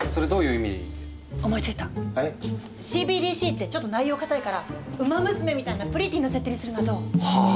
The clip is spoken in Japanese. ＣＢＤＣってちょっと内容固いから「ウマ娘」みたいなプリティーな設定にするのはどう？はあ？